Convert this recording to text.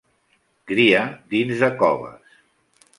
Cria dins de coves.